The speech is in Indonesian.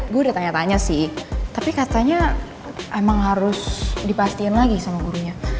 gue udah tanya tanya sih tapi katanya emang harus dipastiin lagi sama gurunya